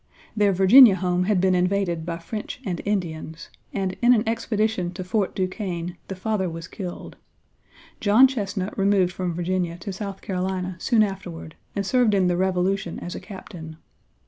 Their Virginia home had been invaded by French and Indians, and in an expedition to Fort Duquesne the father was killed. John Chesnut removed from Virginia to South Carolina soon afterward and served in the Revolution as a captain.